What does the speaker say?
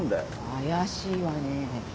怪しいわね。